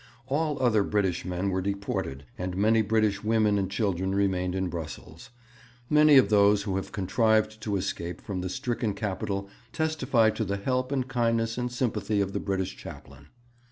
All other British men were deported, but many British women and children remain in Brussels. Many of those who have contrived to escape from the stricken capital testify to the help and kindness and sympathy of the British chaplain.